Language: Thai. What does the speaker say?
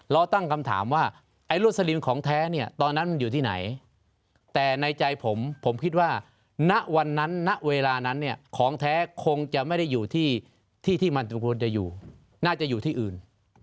รวดจะอยู่น่าจะอยู่ที่อื่น